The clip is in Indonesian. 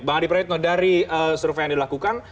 bang adi praitno dari survei yang dilakukan